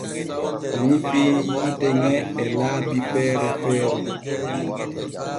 O nyifii yiite ŋe e laabi feere feere.